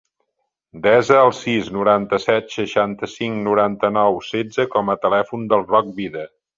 Desa el sis, noranta-set, seixanta-cinc, noranta-nou, setze com a telèfon del Roc Vida.